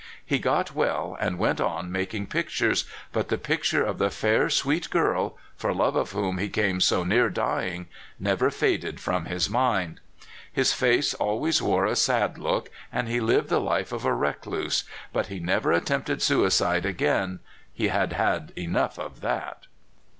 He got well, and went on making pictures; but the picture of the fair, sweet girl, for love of whom he came so near dying, never faded from his mind. His face always wore a sad look, and he lived the life of a recluse, but he never at tempted suicide again — he had had enough of that.